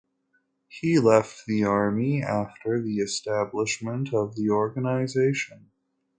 He left the army after the establishment of the organization.